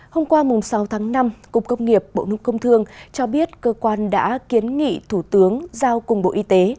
hôm qua sáu tháng năm cục công nghiệp bộ nông công thương cho biết cơ quan đã kiến nghị thủ tướng giao cùng bộ y tế